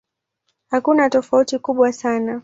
Hakuna tofauti kubwa sana.